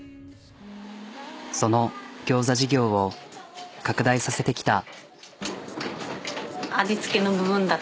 そのギョーザ事業を拡大させてきた。